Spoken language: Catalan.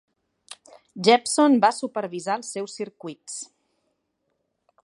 Jeppson va supervisar els seus circuits.